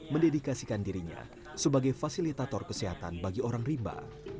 mendedikasikan dirinya sebagai fasilitator kesehatan bagi orang rimba